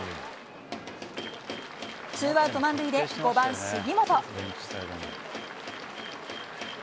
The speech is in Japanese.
ツーアウト満塁で５番杉本。